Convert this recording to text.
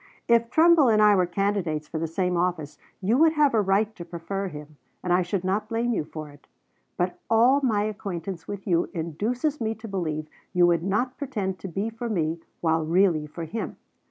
"If Trumbull and I were candidates for the same office you would have a right to prefer him, and I should not blame you for it; but all my acquaintance with you induces me to believe you would not pretend to be for me while really for him.